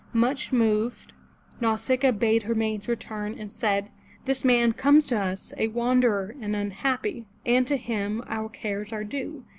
Much moved, Nau sic'a a bade her maids return and said: ''This man comes to us A wanderer and unhappy, and to him Our cares are due.